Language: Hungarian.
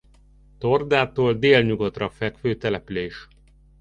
Tordától délnyugatra fekvő település.